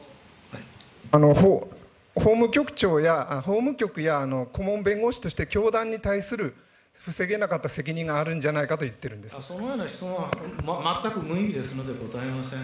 法務局長や、法務局や顧問弁護士として、教団に対する防げなかった責任があるんじゃないかと言っているんそのような質問は全く無意味ですので、答えません。